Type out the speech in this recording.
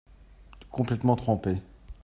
complètement trempé.